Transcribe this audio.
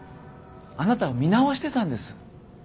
あなたを見直してたんです。